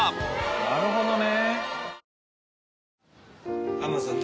なるほどね。